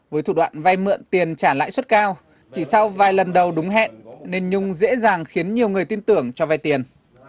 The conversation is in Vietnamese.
với thủ đoạn vay mượn tiền trả lãi suất cao chỉ sau vài lần đầu đúng hẹn nên nhung dễ dàng khiến nhiều người tin tưởng cho vay tiền